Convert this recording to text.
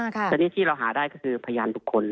แต่นี่ที่เราหาได้ก็คือพยานบุคคล